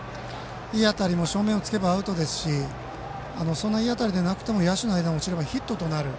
いい当たりも正面を突けばアウトですしそんなにいい当たりではなくても野手の間に落ちればヒットとなる。